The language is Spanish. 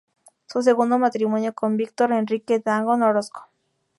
Su segundo matrimonio con Victor Enrique Dangond Orozco.